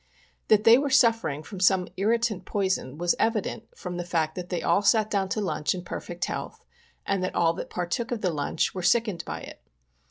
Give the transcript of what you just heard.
That they were suffering from some irritant poison was evident from the fact that they all sat down to lunch in per fect health, and all that partook of the lunch were sickened by it.